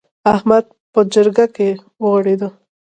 احمد په جرګه کې وغورېد.